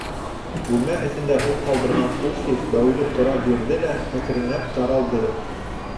Бүлмә эсендә ул ҡалдырған хуш еҫ бәүелеп тора бирҙе лә, әкренләп таралды.